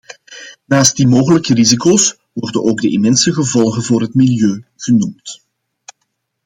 Naast die mogelijke risico's worden ook de immense gevolgen voor het milieu genoemd.